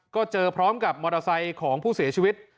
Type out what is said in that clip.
ก็เจอพร้อมกับมอเตอร์ไซค์ของผู้เสียชีวิต